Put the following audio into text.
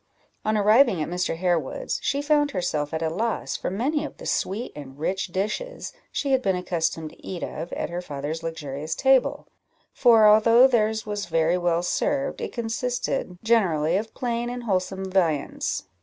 On arriving at Mr. Harewood's, she found herself at a loss for many of the sweet and rich dishes she had been accustomed to eat of at her father's luxurious table; for although theirs was very well served, it consisted generally of plain and wholesome viands.